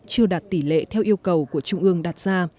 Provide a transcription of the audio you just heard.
chưa đạt tỷ lệ theo yêu cầu của trung ương đặt ra